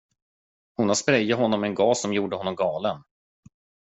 Hon har sprejat honom med en gas som gjorde honom galen.